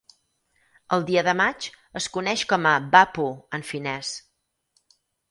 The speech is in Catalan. El Dia de maig es coneix com a Vappu en finès.